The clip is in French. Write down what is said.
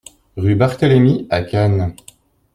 Rue Barthélémy à Cannes